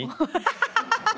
ハハハハハ。